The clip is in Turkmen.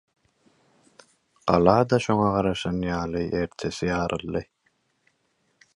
Gala-da şoňa garaşan ýaly ertesi ýaryldy.